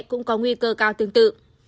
cũng có nguy cơ cao tương tự